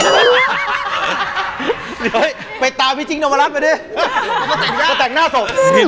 เฮ้ยไปตามพี่จิ๊กนมรัสไปดิเขาแต่งหน้าศพ